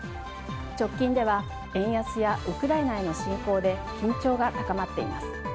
直近では円安やウクライナへの侵攻で緊張が高まっています。